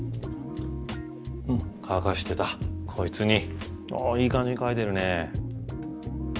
乾かしてたこいつにおおいい感じに乾いてるね。